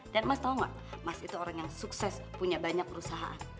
dan mas tau gak mas itu orang yang sukses punya banyak perusahaan